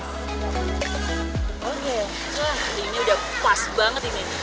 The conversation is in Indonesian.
oke wah ini udah pas banget ini